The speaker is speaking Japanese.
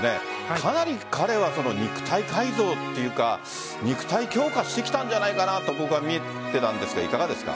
かなり彼は肉体改造というか肉体強化してきたんじゃないかと見えたんですけどいかがですか。